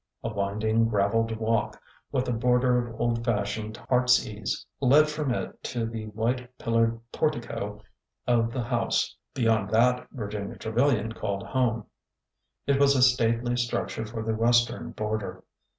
A winding graveled walk with a border of old fashioned heart^s ease led from it to the 'white pillared portico of the house beyond that Virginia Trevilian called home. It was a stately structure for the western border.